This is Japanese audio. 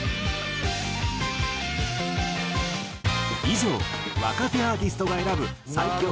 以上若手アーティストが選ぶ最強